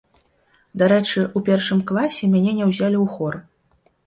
Дарэчы, у першым класе мяне не ўзялі ў хор.